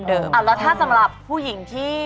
แล้วถ้าสำหรับผู้หญิงที่